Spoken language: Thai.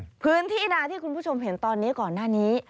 อื้อภื้นที่นานี่ตอนนี้ก่อนหน้านี้